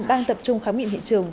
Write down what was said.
đang tập trung khám nghiệm hiện trường